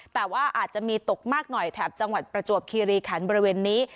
แต่ว่าอาจจะมีตกมากหน่อยแถบจังหวัดประจวบคีรีขันบริเวณนี้